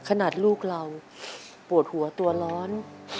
ขนาดลูกเราปวดหัวตัวร้อน